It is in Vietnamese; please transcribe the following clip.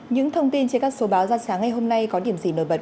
những thông tin trên các số báo ra sáng ngày hôm nay có điểm gì nổi bật